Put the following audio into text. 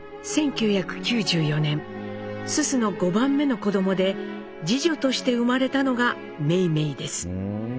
１９９４年蘇蘇の５番目の子どもで次女として生まれたのが梅梅です。